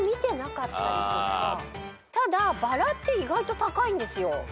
ただバラって意外と高いんですよ。